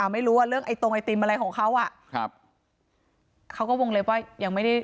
เออทำเป็นไอติมของขออธิบาย